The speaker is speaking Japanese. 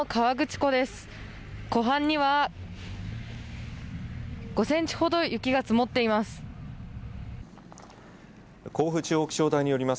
湖畔には５センチほど雪が積もっています。